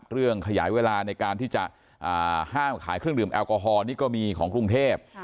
ขยายเวลาในการที่จะห้ามขายเครื่องดื่มแอลกอฮอลนี่ก็มีของกรุงเทพ